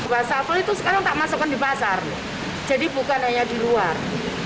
wassafel itu sekarang tak masukkan di pasar jadi bukan hanya di luar